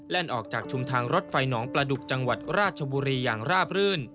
ออกจากชุมทางรถไฟหนองปลาดุกจังหวัดราชบุรีอย่างราบรื่น